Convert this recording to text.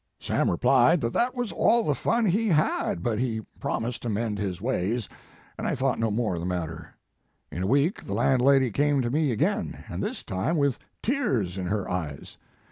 Sam replied that that was all the fun he had, but he promised to rnend his ways and I thought no more of the mat ter. "In a week the landlady came to me again, and this time with tears in her eyes.